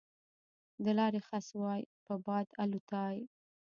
د لارې خس وای په باد الوتای